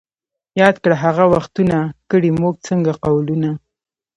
یاد کړه ته هغه وختونه ـ کړي موږ څنګه قولونه